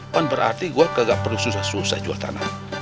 pan berarti gua nggak perlu susah susah jual tanah